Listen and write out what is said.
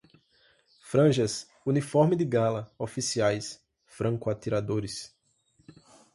Franjas, uniforme de gala, oficiais, franco-atiradores